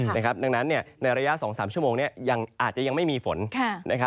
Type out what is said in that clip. ดังนั้นในระยะ๒๓ชั่วโมงนี้อาจจะยังไม่มีฝน